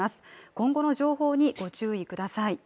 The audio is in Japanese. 今後の情報にご注意ください。